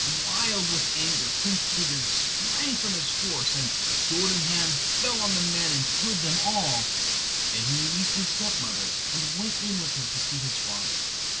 Wild with anger Prince Sigurd sprang from his horse and, sword in hand, fell on the men and killed them all. Then he released his stepmother, and went in with her to see his father.